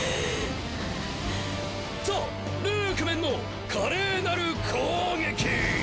ザ・ルークメンの華麗なる攻撃！